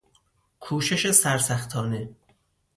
کوشش سرسختانه